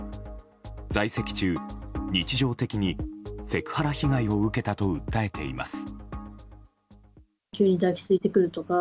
在籍中、日常的にセクハラ被害を受けたと訴えています。